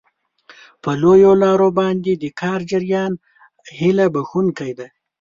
په لویو لارو باندې د کار جریان هیله بښونکی دی.